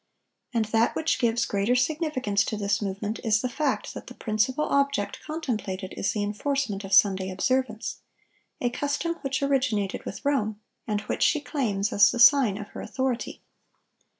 And that which gives greater significance to this movement is the fact that the principal object contemplated is the enforcement of Sunday observance,—a custom which originated with Rome, and which she claims as the sign of her authority.